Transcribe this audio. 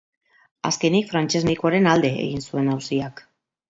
Azkenik, frantses medikuaren alde egin zuen auziak.